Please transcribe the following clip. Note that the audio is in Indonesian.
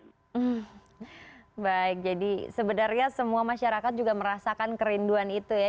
hmm baik jadi sebenarnya semua masyarakat juga merasakan kerinduan itu ya